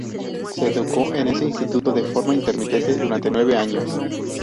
Se educó en ese Instituto de forma intermitente durante nueve años.